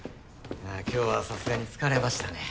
今日はさすがに疲れましたね。